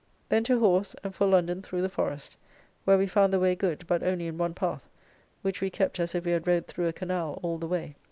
Then to horse, and for London through the forest, where we found the way good, but only in one path, which we kept as if we had rode through a canal all the way.